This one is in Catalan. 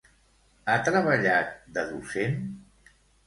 Ha treballat de docent?